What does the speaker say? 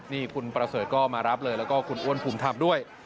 นี่คุณประเสริฐก็มารับเลยแล้วก็คุณอ้วนภูมิธรรมด้วย